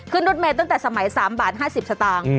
รถเมย์ตั้งแต่สมัย๓บาท๕๐สตางค์